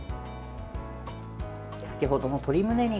先程の鶏むね肉。